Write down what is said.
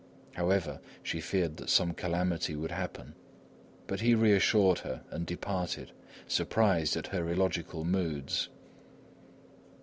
However, she feared that some calamity would happen. But he reassured her and departed, surprised at her illogical moods.